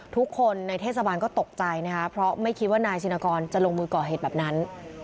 ทุกคนในเทศบาลก็ตกใจนะคะเพราะไม่คิดว่านายชินกรจะลงมือก่อเหตุแบบนั้น